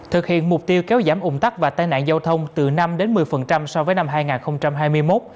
thực hiện mục tiêu kéo giảm ủng tắc và tai nạn giao thông từ năm một mươi so với năm hai nghìn hai mươi một